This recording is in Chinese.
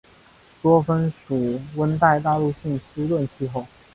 多芬属温带大陆性湿润气候。